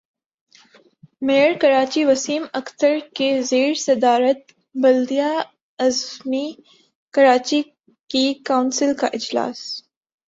mayor Karachi Waseem Akhtar کی زیر صدارت بلدیہ عظمی کراچی کی کونسل کا اجلاس